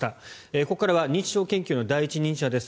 ここからは認知症研究の第一人者です